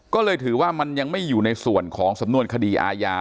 ก็เลยถือว่ามันยังไม่อยู่ในส่วนของสำนวนคดีอาญา